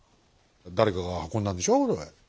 誰かが運んだんでしょそれ。